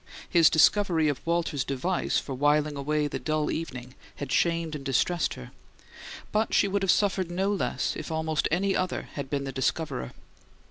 His discovery of Walter's device for whiling away the dull evening had shamed and distressed her; but she would have suffered no less if almost any other had been the discoverer.